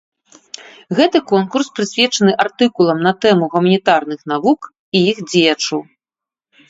Гэты конкурс прысвечаны артыкулам на тэму гуманітарных навук і іх дзеячоў.